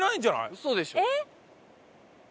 ウソでしょ？